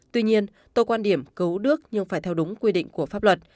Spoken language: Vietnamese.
tuy nhiên tôi quan điểm cứu đước nhưng phải theo đúng quy định của pháp luật